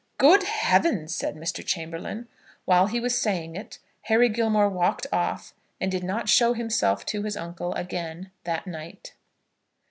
"Good heavens!" said Mr. Chamberlaine. While he was saying it, Harry Gilmore walked off, and did not show himself to his uncle again that night.